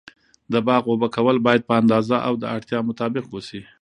د باغ اوبه کول باید په اندازه او د اړتیا مطابق و سي.